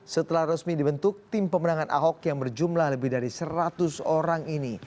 setelah resmi dibentuk tim pemenangan ahok yang berjumlah lebih dari seratus orang ini